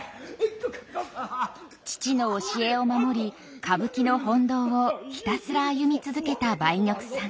父の教えを守り歌舞伎の本道をひたすら歩み続けた梅玉さん。